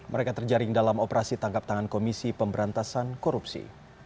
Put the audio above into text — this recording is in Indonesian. mereka terjaring dalam operasi tangkap tangan komisi pemberantasan korupsi